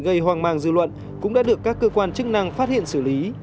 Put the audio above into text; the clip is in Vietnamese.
gây hoang mang dư luận cũng đã được các cơ quan chức năng phát hiện xử lý